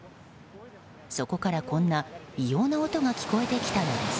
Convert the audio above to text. そこからこんな異様な音が聞こえてきたのです。